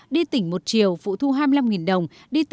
đi tỉnh một chiều phụ thu hai mươi năm đồng